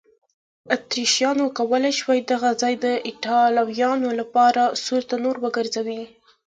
اتریشیانو کولای شوای دغه ځای د ایټالویانو لپاره سور تنور وګرځوي.